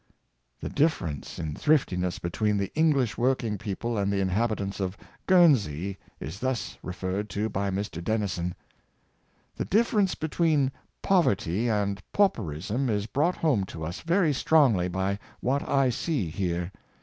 The difference in thriftiness between the English working people and the inhabitants of Guernsey is thus referred to by Mr. Denison: " The difference between poverty and pauperism is brought home to us very strongly by what I see here.